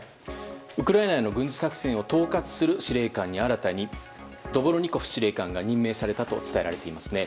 ウクライナへの軍事作戦を統括する司令官に新たにドボルニコフ司令官が任命されたと伝えられていますね。